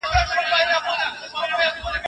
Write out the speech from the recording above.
پوهه د تيارو پر ضد رڼا ده.